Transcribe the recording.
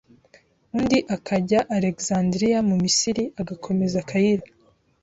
uundi akajya Alexandria mu Misiri, agakomeza cairo